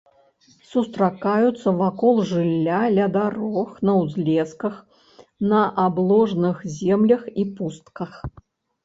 Сустракаюцца вакол жылля ля дарог, на ўзлесках, на абложных землях і пустках.